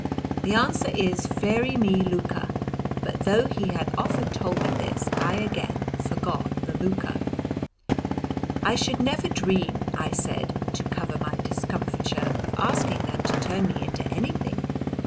The answer is Fairy me lukka, but though he had often told me this I again forgot the lukka. "I should never dream," I said (to cover my discomfiture), "of asking them to turn me into anything.